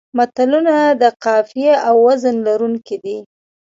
متلونه د قافیې او وزن لرونکي دي